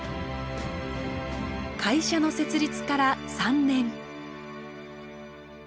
会社の設立から３年。